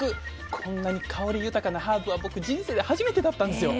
こんなに香り豊かなハーブは僕人生で初めてだったんですよ。